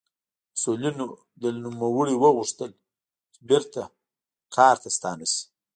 مسوولینو له نوموړي وغوښتل چې بېرته کار ته ستانه شي.